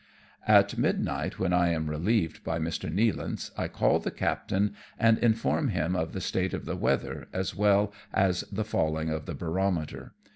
At midnight, when I am relieved by Mr. Nealance, I call the captain and inform him of the state of the weather as well as the falling of the barometer.